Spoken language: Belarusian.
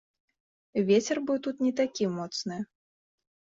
Вецер быў тут не такі моцны.